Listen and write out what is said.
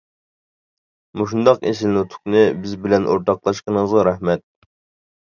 مۇشۇنداق ئېسىل نۇتۇقنى بىز بىلەن ئورتاقلاشقىنىڭىزغا رەھمەت.